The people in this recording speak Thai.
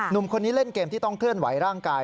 หนุ่มคนนี้เล่นเกมที่ต้องเคลื่อนไหวร่างกาย